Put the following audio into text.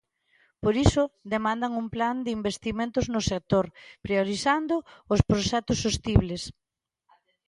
Por iso demandan un plan de investimentos no sector, priorizando os proxectos sostibles.